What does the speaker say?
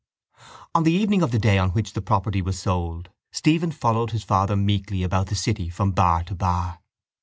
On the evening of the day on which the property was sold Stephen followed his father meekly about the city from bar to bar.